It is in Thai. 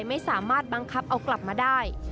ไม่สามารถบังคับเอากลับมาได้